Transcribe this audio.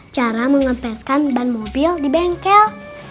cara mengeteskan ban mobil di bengkel